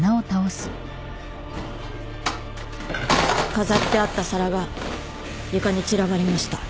飾ってあった皿が床に散らばりました。